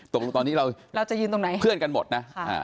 ตรงตอนนี้เราจะเพื่อนกันหมดนะ